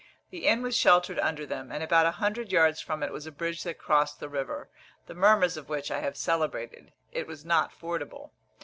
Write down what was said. The inn was sheltered under them; and about a hundred yards from it was a bridge that crossed the river, the murmurs of which I have celebrated; it was not fordable.